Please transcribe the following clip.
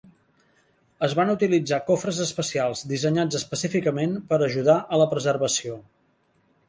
Es van utilitzar cofres especials, dissenyats específicament per ajudar a la preservació.